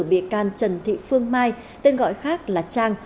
bị can trần thị phương mai tên gọi khác là trang